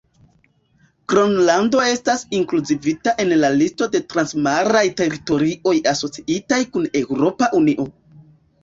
Gronlando estas inkluzivita en la listo de transmaraj teritorioj asociitaj kun Eŭropa Unio.